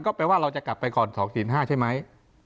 ก็แปลว่าเราจะกลับไปก่อน๒ศีล๕ใช่ไหม